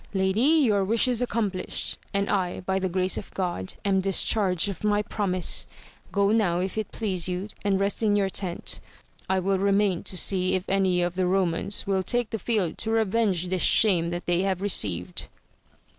Lady, your wish is accomplished, and I by the grace of God am discharged of my promise ! go now if it please you and rest in your tent ; I will remain to see if any of the Romans will take the field to revenge this shame that they have received.